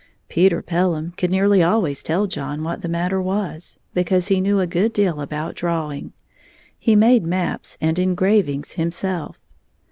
Peter Pelham could nearly always tell John what the matter was, because he knew a good deal about drawing. He made maps and engravings himself.